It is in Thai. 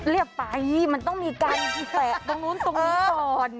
ไปมันต้องมีการแตะตรงนู้นตรงนี้ก่อน